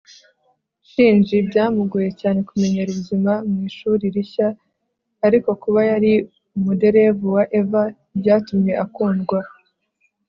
Shinji byamugoye cyane kumenyera ubuzima mwishuri rishya Ariko kuba yari umuderevu wa EVA byatumye akundwa